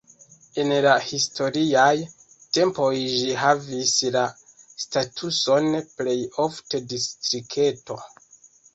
En la historiaj tempoj ĝi havis la statuson plej ofte distrikto.